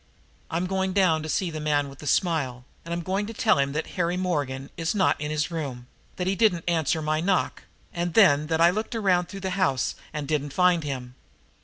"I'm going down to see the man with the smile, and I'm going to tell him that Harry Morgan is not in his room, that he didn't answer my knock, and then that I looked around through the house and didn't find him.